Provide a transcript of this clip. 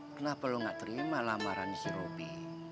kenapa lo gak terima lamaran si robi